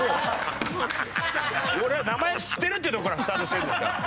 俺は名前知ってるっていうとこからスタートしてるんですから。